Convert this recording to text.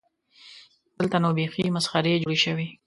دلته نو بیخي مسخرې جوړې شوې.